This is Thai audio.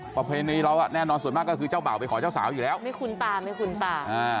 ประเพณีเราแน่นอนส่วนมากก็คือเจ้าบ่าวไปขอเจ้าสาวอยู่แล้วไม่คุ้นตาไม่คุ้นตา